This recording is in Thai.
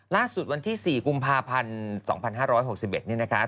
ล่าสุดวันที่๔กุมภาพันธ์๒๕๖๑นี่นะคะ